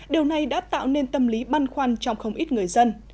điều này đã tạo nên tâm lý băn khoăn trong không ít người dân